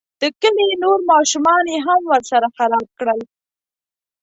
د کلي نور ماشومان یې هم ورسره خراب کړل.